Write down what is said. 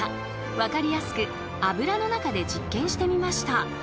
分かりやすく油の中で実験してみました。